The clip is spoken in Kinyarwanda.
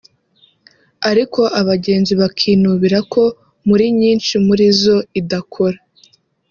ariko abagenzi bakinubira ko muri nyinshi muri zo idakora